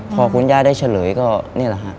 พอคุณย่าได้เฉลยก็นี่แหละฮะ